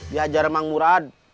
diajar bang murad